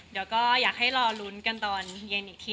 เดี๋ยวก็อยากให้รอลุ้นกันตอนเย็นอีกที